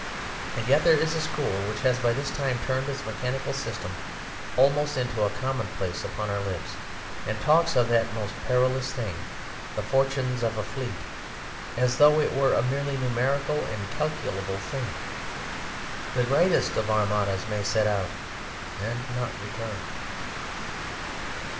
And yet there is a school which has by this time turned its mechanical system almost into a commonplace upon our lips, and talks of that most perilous thing, the fortunes of a fleet, as though it were a merely numerical and calculable thing! The greatest of Armadas may set out and not return.